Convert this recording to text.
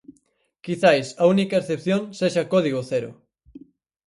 Quizais a única excepción sexa Código Cero.